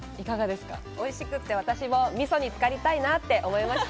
おいしくて私もみそに浸りたいと思いました。